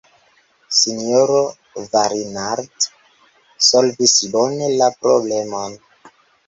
S-ro Varinard solvis bone la problemon.